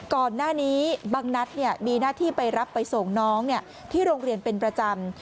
ก่อนหน้านี้บางนัดมีหน้าที่ไปรับไปส่งน้องที่โรงเรียนเป็นประจำ